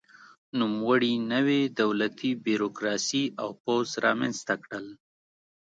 نوموړي نوې دولتي بیروکراسي او پوځ رامنځته کړل.